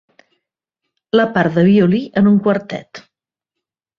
La part de violí en un quartet.